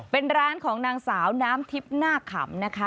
เป็นร้านของนางสาวน้ำทิพย์หน้าขำนะคะ